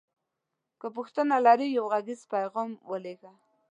که پوښتنه لری یو غږیز پیغام ولیږه